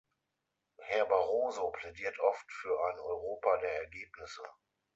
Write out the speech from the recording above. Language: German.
Herr Barroso plädiert oft für ein Europa der Ergebnisse.